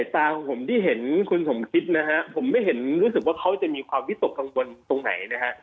ผมที่เห็นคุณสมคิดนะครับผมไม่เห็นรู้สึกว่าเขาจะมีความวิตกข้างบนตรงไหนนะครับ